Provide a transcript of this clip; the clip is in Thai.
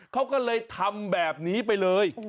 เขาก็เลยทำแบบนี้ไปเลย